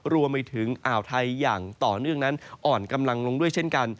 รวมไปถึงอ่าวไทยอย่างต่อเนื่องนั้นอ่อนกำลังลงด้วยเช่นกัน